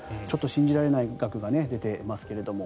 ちょっと信じられない額が出ていますが。